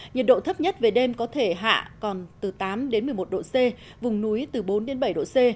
nhiệt độ thấp nhất về đêm có thể hạ còn từ tám đến một mươi một độ c vùng núi từ bốn bảy độ c